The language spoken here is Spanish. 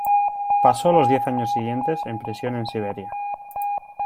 Pasó los diez años siguientes en prisión en Siberia.